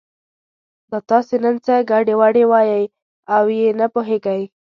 دا تاسې نن څه ګډې وډې وایئ او یې نه پوهېږي.